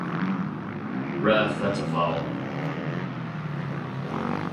Ref, that's a foul.